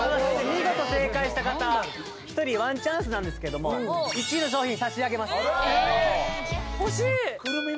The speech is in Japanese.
見事正解した方１人１チャンスなんですけども１位の商品差し上げます。